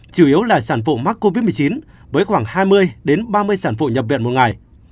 chủ yếu là sản phụ mắc covid một mươi chín với khoảng hai mươi ba mươi sản phụ nhập viện một ngày